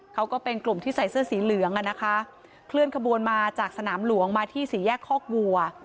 ก็เป็นกลุ่มที่ใส่เสื้อสีเหลืองอ่ะนะคะเคลื่อนขบวนมาจากสนามหลวงมาที่สี่แยกคอกวัว